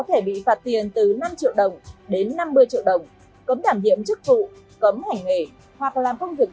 thì bị phạt tù cao nhất